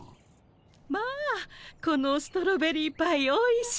まあこのストロベリーパイおいしい。